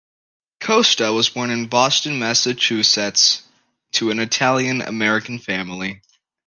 Costa was born in Boston, Massachusetts to an Italian American family.